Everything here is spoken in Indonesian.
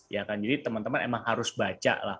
ya kan jadi teman teman emang harus baca lah